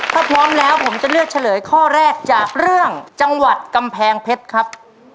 ถ้าพร้อมแล้วผมจะเลือกเฉลยข้อแรกจากเรื่องจังหวัดกำแพงเพชรครับ